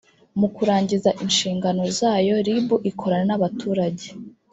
mu kurangiza inshingano zayo rib ikorana nabaturage